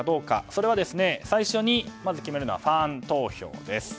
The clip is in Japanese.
それは最初に決めるのはファン投票です。